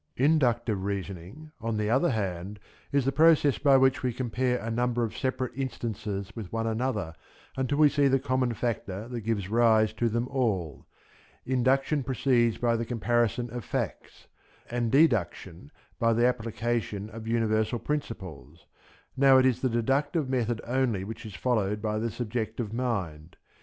Inductive reasoning; on the other hand, is the process by which we compare a number of separate instances with one another until we see the common factor that gives rise to them all. Induction proceeds by the comparison of facts, and deduction by the application of universal principles. Now it is the deductive method only which is followed by the subjective mind.